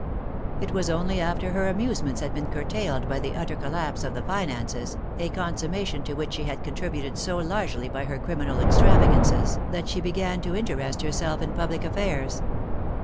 It was only after her amusements had been curtailed by the utter collapse of the finances, a consummation to which she had contributed so largely by her criminal extravagances, that she began to interest herself in public affairs.